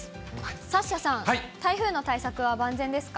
サッシャさん、台風の対策は万全ですか？